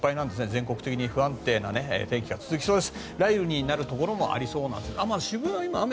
全国的に不安定な天気が続きそうです。